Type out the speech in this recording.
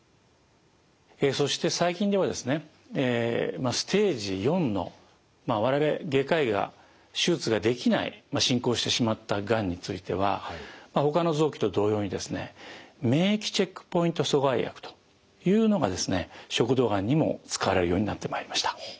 そして最近ではですねステージⅣのまあ我々外科医が手術ができない進行してしまったがんについてはほかの臓器と同様にですね免疫チェックポイント阻害薬というのが食道がんにも使われるようになってまいりました。